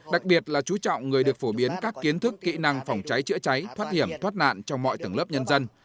đặc biệt là chú trọng người được phổ biến các kiến thức kỹ năng phòng cháy chữa cháy thoát hiểm thoát nạn trong mọi tầng lớp nhân dân